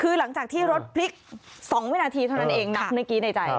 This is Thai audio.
ก็คือหลังจากที่รถพลิกสองวินาทีเท่านั้นเองมีบีใจ